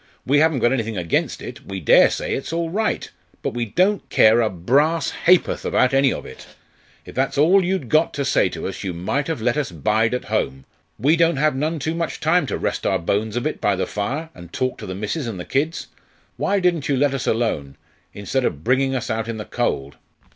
we haven't got anything against it we dare say it's all right; but we don't care a brass ha'porth about any of it! If that's all you'd got to say to us, you might have let us bide at home. We don't have none too much time to rest our bones a bit by the fire, and talk to the missus and the kids. Why didn't you let us alone, instead of bringing us out in the cold?'